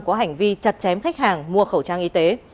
có hành vi chặt chém khách hàng mua khẩu trang y tế